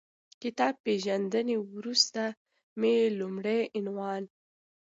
کتاب پېژندنې وروسته مې لومړی عنوان